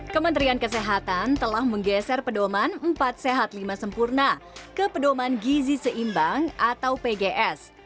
kementerian kesehatan telah menggeser pedoman empat sehat lima sempurna ke pedoman gizi seimbang atau pgs